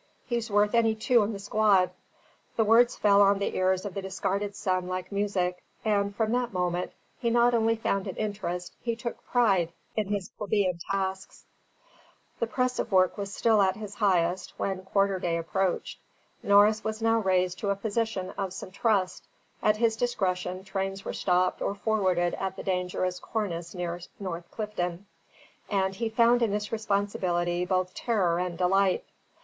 He's worth any two in the squad." The words fell on the ears of the discarded son like music; and from that moment, he not only found an interest, he took a pride, in his plebeian tasks. The press of work was still at its highest when quarter day approached. Norris was now raised to a position of some trust; at his discretion, trains were stopped or forwarded at the dangerous cornice near North Clifton; and he found in this responsibility both terror and delight.